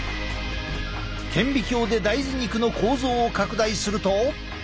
顕微鏡で大豆肉の構造を拡大すると。